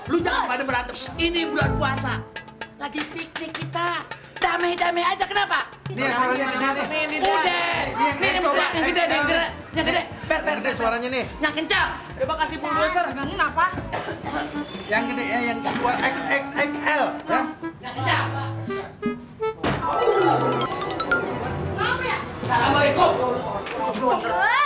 lu jangan pada berantem ini bulan puasa lagi pikir kita damai damai aja kenapa udah udah